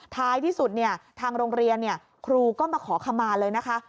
ท้ายที่สุดทางโรงเรียนครูก็มาขอขมาเลยนะคะ